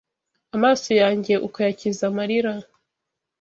Amaso yanjye ukayakiza amarira